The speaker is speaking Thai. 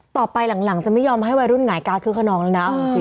ต่อไปหลังจะไม่ยอมให้วัยรุ่นหงายการคึกขนองแล้วนะ